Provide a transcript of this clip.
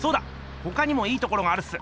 ほかにもいいところがあるっす。